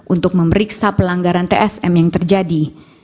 untuk memeriksa pelanggaran tsm yang terjadi